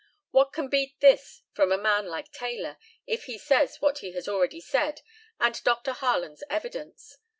What can beat this from a man like Taylor, if he says what he has already said, and Dr. Harland's evidence?